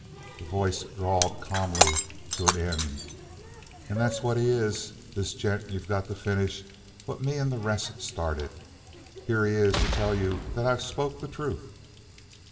The voice drawled calmly to an end: "And that's what he is, this gent you got to finish what me and the rest started. Here he is to tell you that I've spoke the truth."